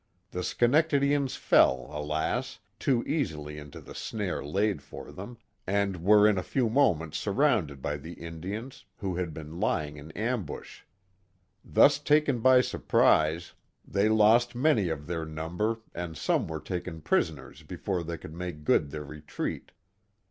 The Schenectadians fell, alas I too easily into the snare laid for them, and were in a few moments surrounded by the In dians, who had been lying in ambush. Thus taken by surprise they Schonowe or Schenectady 69 lost many of their number and some were taken prisoners before they could make good their retreat.